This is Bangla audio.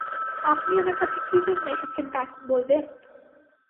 আপনি আমার কাছে কি জন্যে এসেছেন তা এখন বলবেন?